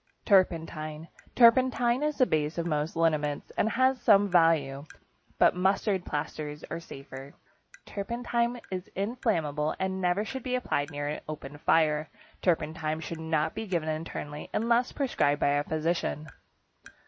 =Turpentine.= Turpentine is the base of most liniments, and it has some value, but mustard plasters are safer. Turpentine is inflammable, and never should be applied near an open fire. Turpentine should not be given internally, unless prescribed by a physician.